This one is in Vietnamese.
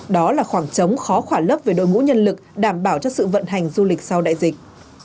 đó là khoảng trống khó khả lấp về đội ngũ nhân lực đảm bảo cho sự vận hành du lịch sau đại dịch